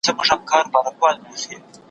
زه له سهاره د سبا لپاره د سوالونو جواب ورکوم!؟